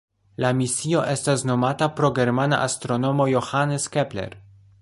La misio estas nomata pro germana astronomo Johannes Kepler.